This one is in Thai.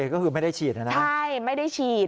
ก็คือไม่ได้ฉีดนะนะใช่ไม่ได้ฉีด